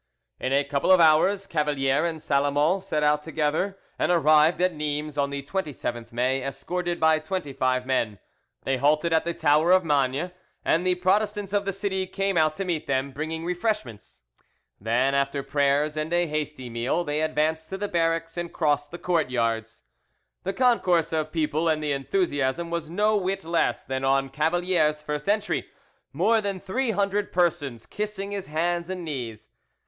In a couple of hours Cavalier and Salomon set out together, and arrived at Nimes on the 27th May, escorted by twenty five men; they halted at the tower of Magne, and the Protestants of the city came out to meet them, bringing refreshments; then, after prayers and a hasty meal, they advanced to the barracks and crossed the courtyards. The concourse of people and the enthusiasm was no whit less than on Cavalier's first entry, more than three hundred persons kissing his hands and knees.